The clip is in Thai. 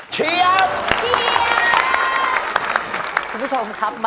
เชียบ